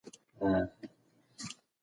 صفوي حکومت خپل يو تکړه جنرال هرات ته واستاوه.